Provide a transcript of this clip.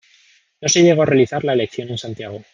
No se llegó a realizar la elección en Santiago.